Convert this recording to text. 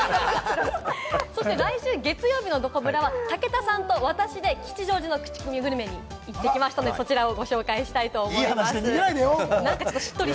そして来週月曜日のどこブラは武田さんと私で吉祥寺のクチコミグルメに行ってきましたので、こちらをご紹介したいと思います。